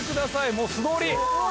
もう素通り！